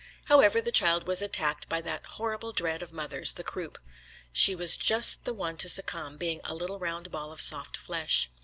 However, the child was attacked by that horrible dread of mothers, the croup. She was just the one to succumb, being a little round ball of soft flesh.